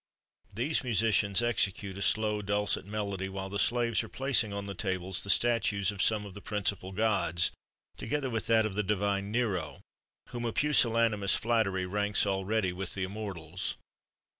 [XXXV 31] These musicians execute a slow, dulcet melody while the slaves are placing on the tables the statues of some of the principal gods,[XXXV 32] together with that of the divine Nero, whom a pusillanimous flattery ranks already with the immortals.